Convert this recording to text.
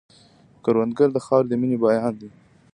کروندګر د خاورې د مینې بیان دی